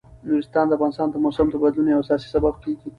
نورستان د افغانستان د موسم د بدلون یو اساسي سبب کېږي.